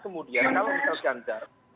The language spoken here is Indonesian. kemudian kalau misal jandar